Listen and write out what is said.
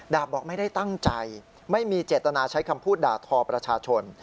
บอกไม่ได้ตั้งใจไม่มีเจตนาใช้คำพูดด่าทอประชาชน